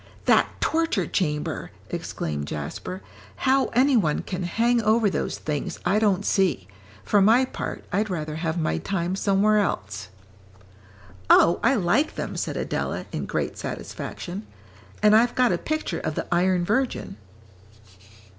"That torture chamber!" exclaimed Jasper; "how any one can hang over those things, I don't see; for my part, I'd rather have my time somewhere else." "Oh, I like them," said Adela, in great satisfaction, "and I've got a picture of the 'Iron Virgin.'"